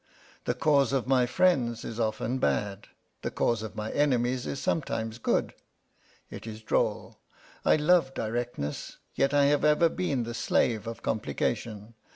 The cause of my friends is often bad; the cause of my enemies is sometimes good. It is droll. I love directness, yet I have ever been the slave of complication.